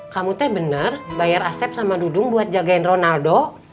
kamu bener bayar asep sama dudung buat jagain ronaldo